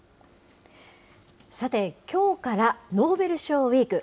さて、きょうからノーベル賞ウィーク。